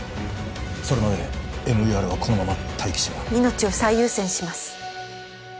それまでＭＥＲはこのまま待機しろ命を最優先します